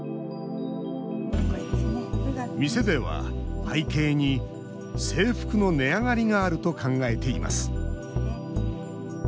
店では、背景に制服の値上がりがあると考えています。